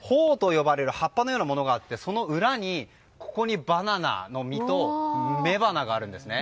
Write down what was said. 葉っぱのようなものがあってその裏にバナナの身と雌花があるんですね。